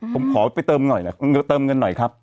ผมขอไปเติมเงินหน่อยครับ